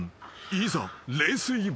いざ］